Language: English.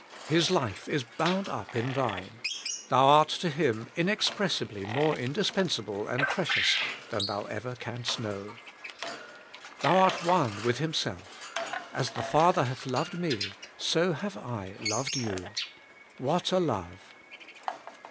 His life is bound up in thine; thou art to Him inexpressibly more indispensable and precious than thou ever canst know. Thou art one with Himself. *As the Father hath loved me, so have I loved you.' What a love!